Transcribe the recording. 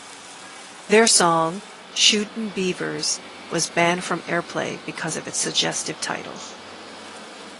Their song "Shootin' Beavers" was banned from airplay because of its suggestive title.